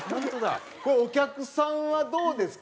これお客さんはどうですか？